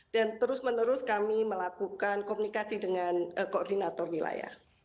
dan terus menerus kami melakukan komunikasi dengan koordinator wilayah